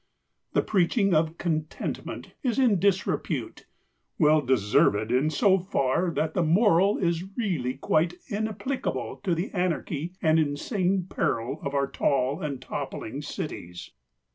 The preaching of contentment is in disrepute, well deserved in so far that the moral is really quite inapplicable to the anarchy and insane peril of our tall and toppling cities.